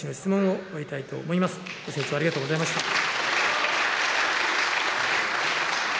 ご清聴ありがとうございました。